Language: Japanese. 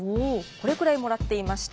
これくらいもらっていました。